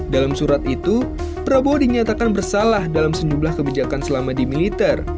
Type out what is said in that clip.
dalam surat itu prabowo dinyatakan bersalah dalam sejumlah kebijakan selama di militer